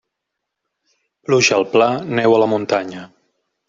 Pluja al pla, neu a la muntanya.